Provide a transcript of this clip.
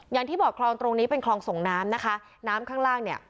อย่างที่บอกคลองตรงนี้เป็นคลองส่งน้ำนะคะน้ำข้างล่างเนี่ย